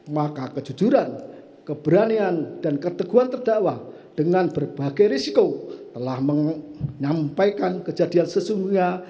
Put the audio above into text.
maka kejujuran keberanian dan keteguhan terdakwa dengan berbagai risiko telah menyampaikan kejadian sesungguhnya